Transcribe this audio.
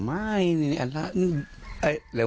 ไม่ไม่นี่อันล่ะ